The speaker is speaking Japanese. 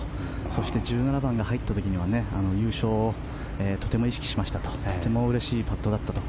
そして、１７番が入った時には優勝をとても意識しましたととてもうれしいパットだったと。